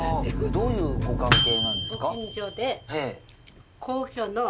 どういうご関係なんですか？